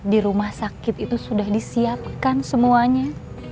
di rumah sakit itu sudah disiapkan semuanya